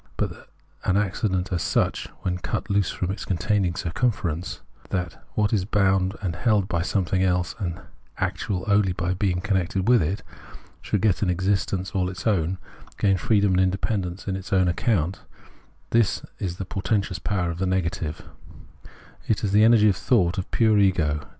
But that an accident as such, when cut loose from its containing circmnference, — that what is bound and held by something else and actual only by being connected with it, — should get an existence all its own, gain freedom and independence on its own account — this is the portentous power of the negative ; it is the energy of thought, of pure ego.